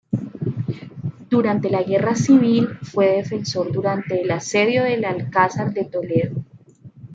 Durante la Guerra Civil fue defensor durante el Asedio del Alcazar de Toledo.